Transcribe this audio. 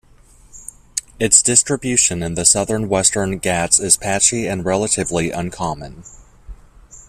Its distribution in the southern Western Ghats is patchy and relatively uncommon.